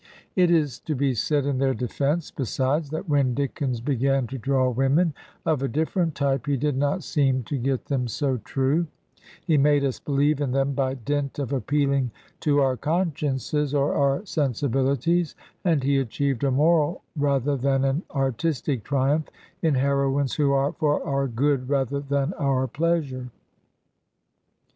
It is to be said in their defence, besides, that when Dickens began to draw women of a diflferent type, he did not seem to get them so true ; he made us believe in them by dint of appealing to our consciences or our sensibiUties, and he achieved a morsd rather than an artistic triumph in heroines who are for our good rather than our pleasure.